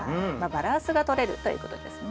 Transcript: バランスがとれるということですね。